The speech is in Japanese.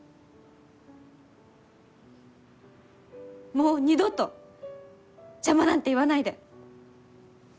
もう二度と「邪魔」なんて言わないで！